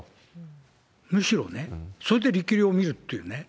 むしろね、それで力量を見るっていうね。